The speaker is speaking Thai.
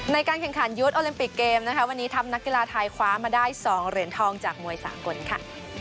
ในการแข่งขันยุทธ์โอลิมปิกเกมนะคะวันนี้ทัพนักกีฬาไทยคว้ามาได้๒เหรียญทองจากมวยสากลค่ะ